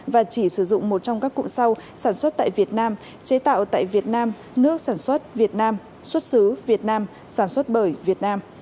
và chỉ sử dụng một trong các cụm sau sản xuất tại việt nam chế tạo tại việt nam nước sản xuất việt nam xuất xứ việt nam sản xuất bưởi việt nam